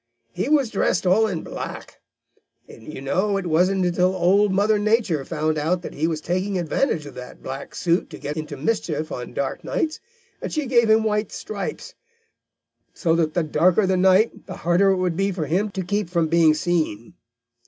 He was dressed all in black. You know it wasn't until Old Mother Nature found out that he was taking advantage of that black suit to get into mischief on dark nights that she gave him white stripes, so that the darker the night, the harder it would be for him to keep from being seen.